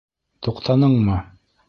Туҡтаныңмы?